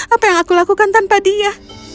apa yang aku lakukan tanpa dia